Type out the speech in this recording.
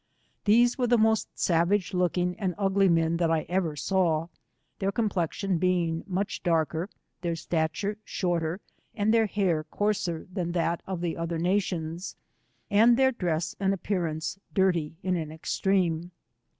These were the *i08t savage looking and ugly men that 1 ever saw, their complexion being much darker, their stature shorter, and their hair coarser, than that of the other nations, and their dress and appearance dirty in aa extreme.